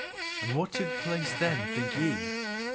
And what took place then, think ye?